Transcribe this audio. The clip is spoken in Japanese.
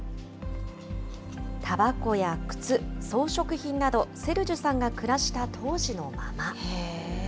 たばこや靴、装飾品など、セルジュさんが暮らした当時のまま。